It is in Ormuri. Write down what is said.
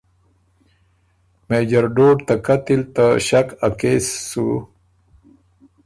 مېجر ډوډ ته قتل ته ݭک ا کېس سُو